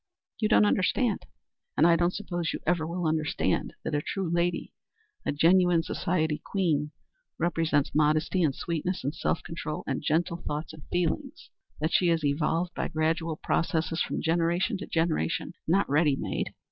You don't understand, and I don't suppose you ever will understand, that a true lady a genuine society queen represents modesty and sweetness and self control, and gentle thoughts and feelings; that she is evolved by gradual processes from generation to generation, not ready made.